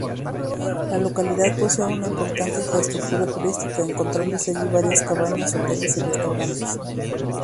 La localidad posee una importante infraestructura turística, encontrándose allí varias cabañas, hoteles y restaurantes.